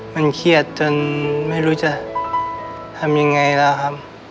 มันเครียดจนไม่รู้จะทำยังไงแล้วครับ